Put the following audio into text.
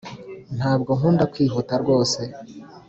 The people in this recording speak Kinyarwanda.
Ntago nkunda kwihuta rwose